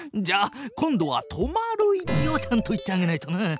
じゃあ今度は止まる位置をちゃんと言ってあげないとな。